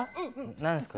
何ですか？